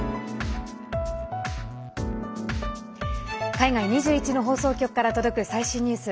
海外２１の放送局から届く最新ニュース。